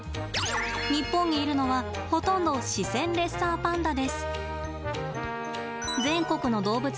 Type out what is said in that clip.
日本にいるのはほとんどシセンレッサーパンダです。